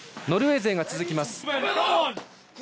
ノルウェー勢が続きます。